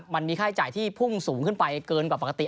มันมีค่าใช้จ่ายที่พุ่งสูงขึ้นไปเกินกว่าปกติ